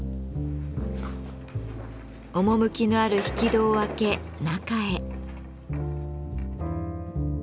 趣のある引き戸を開け中へ。